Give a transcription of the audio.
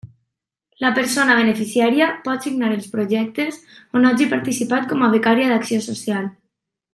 La persona beneficiària pot signar els projectes on hagi participat com a becària d'acció social.